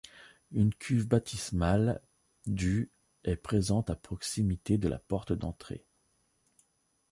Une cuve baptismale du est présente à proximité de la porte d'entrée.